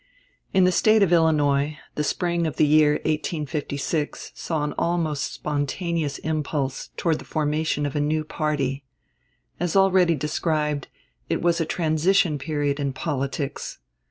In the State of Illinois, the spring of the year 1856 saw an almost spontaneous impulse toward the formation of a new party. As already described, it was a transition period in politics.